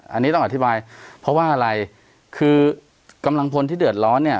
อันนี้ต้องอธิบายเพราะว่าอะไรคือกำลังพลที่เดือดร้อนเนี่ย